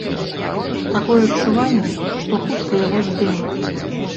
Такое адчуванне, што хутка яго здымуць.